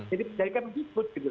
jadi pendidikan mengikut